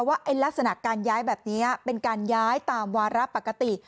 ว่าลักษณะการย้ายแบบนี้เป็นการย้ายตามวาระปกติ